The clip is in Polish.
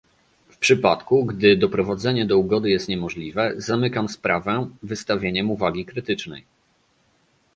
W przypadku, gdy doprowadzenie do ugody jest niemożliwe, zamykam sprawę wystawieniem uwagi krytycznej